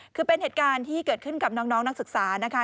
คือเป็นเหตุการณ์ที่เกิดขึ้นกับน้องนักศึกษานะคะ